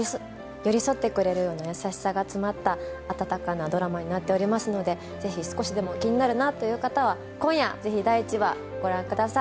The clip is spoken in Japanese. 寄り添ってくれるような優しさが詰まった温かなドラマになっておりますのでぜひ少しでも気になるなという方は今夜、ぜひ第１話ご覧ください。